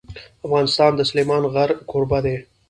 افغانستان د سلیمان غر کوربه دی.